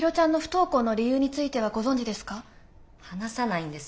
話さないんです